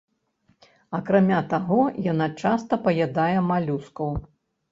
Акрамя таго, яна часта паядае малюскаў.